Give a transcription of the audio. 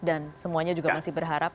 dan semuanya juga masih berharap